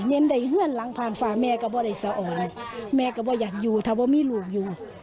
แม่ก็ว่าไอ้สาวอ่อนแม่ก็ว่าอยากอยู่ถ้าว่ามีลูกอยู่